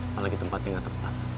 apalagi tempatnya gak tepat